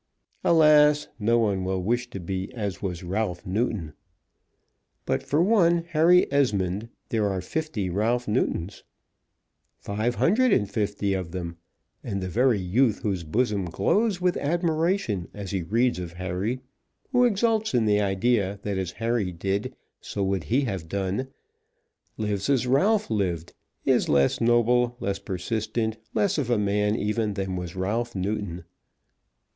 Alas, no one will wish to be as was Ralph Newton! But for one Harry Esmond, there are fifty Ralph Newtons, five hundred and fifty of them; and the very youth whose bosom glows with admiration as he reads of Harry, who exults in the idea that as Harry did, so would he have done, lives as Ralph lived, is less noble, less persistent, less of a man even than was Ralph Newton.